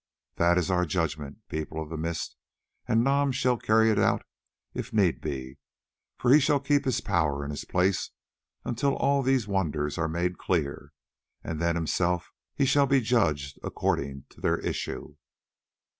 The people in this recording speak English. That is our judgment, People of the Mist, and Nam shall carry it out if need be, for he shall keep his power and his place until all these wonders are made clear, and then himself he shall be judged according to their issue."